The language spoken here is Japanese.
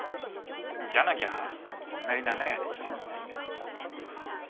じゃなきゃこんなに長い間一緒にいないよ。